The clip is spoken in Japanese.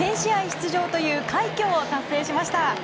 出場という快挙を達成しました。